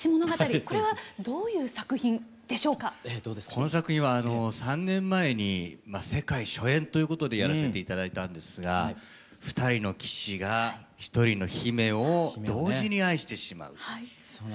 この作品は３年前に世界初演ということでやらせて頂いたんですが２人の騎士が１人の姫を同時に愛してしまうという。